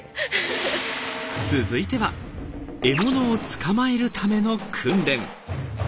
続いては獲物を捕まえるための訓練。